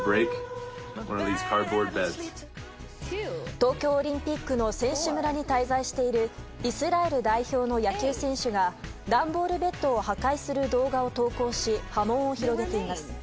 東京オリンピックの選手村に滞在しているイスラエル代表の野球選手が段ボールベッドを破壊する動画を投稿し、波紋を広げています。